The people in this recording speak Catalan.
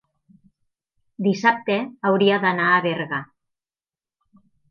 dissabte hauria d'anar a Berga.